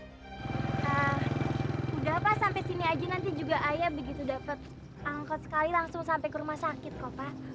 sudah pak sampai sini aja nanti juga ayah begitu dapet angkot sekali langsung sampai ke rumah sakit kok pak